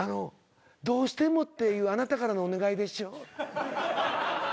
「どうしてもっていうあなたからのお願いでしょ？」